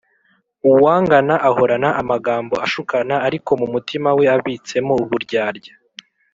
uwangana ahorana amagambo ashukana, ariko mu mutima we abitsemo uburyarya